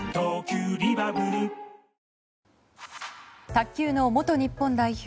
卓球の元日本代表